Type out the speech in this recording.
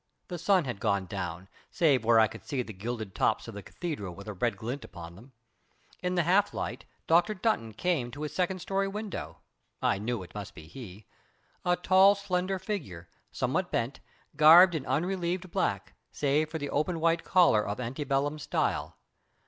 The sun had gone down, save where I could see the gilded tops of the Cathedral with a red glint upon them. In the half light Dr. Dunton came to his second story window I knew it must be he a tall, slender figure, somewhat bent, garbed in unrelieved black, save for the open white collar of ante bellum style.